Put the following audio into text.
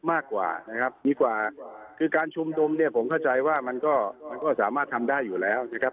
มากกว่านะครับดีกว่าคือการชุมนุมเนี่ยผมเข้าใจว่ามันก็มันก็สามารถทำได้อยู่แล้วนะครับ